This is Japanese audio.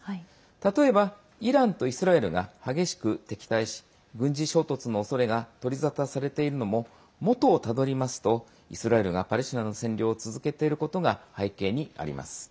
例えば、イランとイスラエルが激しく敵対し軍事衝突のおそれが取り沙汰されているのも元をたどりますと、イスラエルがパレスチナの占領を続けていることが背景にあります。